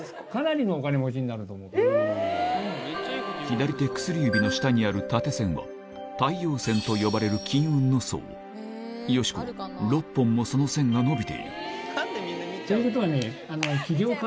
左手薬指の下にある縦線は「太陽線」と呼ばれる金運の相よしこは６本もその線が伸びているということはね。